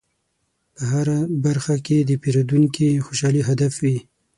په هره برخه کې د پیرودونکي خوشحالي هدف وي.